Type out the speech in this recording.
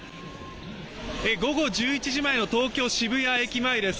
午後１１時前の東京・渋谷駅前です。